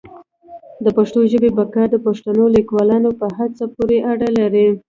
د پښتو ژبي بقا د پښتنو لیکوالانو په هڅو پوري اړه لري.